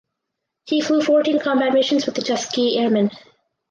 He flew fourteen combat missions with the Tuskegee Airmen.